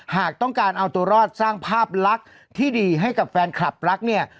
หากต้องการเอาตัวรอดสร้างภาพลักษณ์ที่ดีให้กับแฟนคลับรักเนี่ย